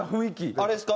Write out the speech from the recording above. あれですか？